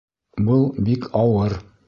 Был бик ауыр.